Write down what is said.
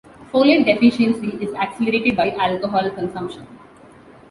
Folate deficiency is accelerated by alcohol consumption.